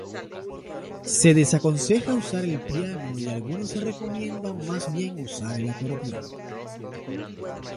Se desaconseja usar el piano y algunos recomiendan más bien usar el acordeón.